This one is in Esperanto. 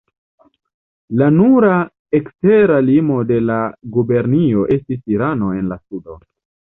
La nura ekstera limo de la gubernio estis Irano, en la sudo.